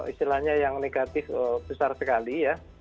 istilahnya yang negatif besar sekali ya